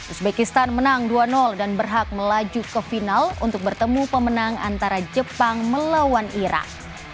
uzbekistan menang dua dan berhak melaju ke final untuk bertemu pemenang antara jepang melawan irak